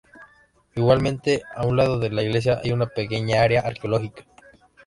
Igualmente, a un lado de la iglesia hay una pequeña área arqueológica.